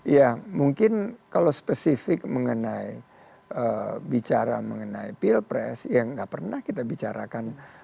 ya mungkin kalau spesifik mengenai bicara mengenai pilpres yang nggak pernah kita bicarakan